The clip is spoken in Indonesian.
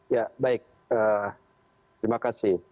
ya baik terima kasih